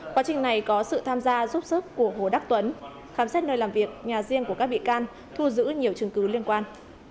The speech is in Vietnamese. quá trình này có sự tham gia giúp sức của hồ đắc tuấn khám xét nơi làm việc nhà riêng của các bị can thu giữ nhiều chứng cứ liên quan